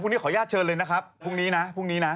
ขออนุญาตเชิญเลยนะครับพรุ่งนี้นะพรุ่งนี้นะ